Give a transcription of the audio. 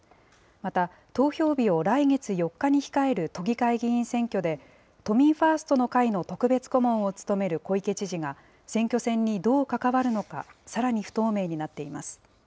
また投票日を来月４日に控える都議会議員選挙で、都民ファーストの会の特別顧問を務める小池知事が選挙戦にどう関わるのかさらに不透明になっています。